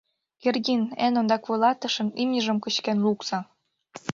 Кердин, эн ондак вуйлатышын имньыжым кычкен лукса!